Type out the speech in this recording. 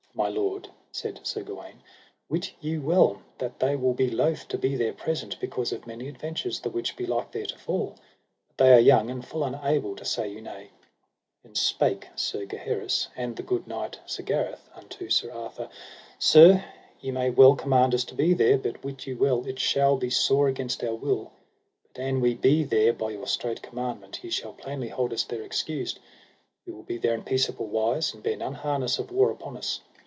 My lord, said Sir Gawaine, wit you well they will be loath to be there present, because of many adventures the which be like there to fall, but they are young and full unable to say you nay. Then spake Sir Gaheris, and the good knight Sir Gareth, unto Sir Arthur: Sir, ye may well command us to be there, but wit you well it shall be sore against our will; but an we be there by your strait commandment ye shall plainly hold us there excused: we will be there in peaceable wise, and bear none harness of war upon us.